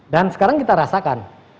dan sekarang kita rasakan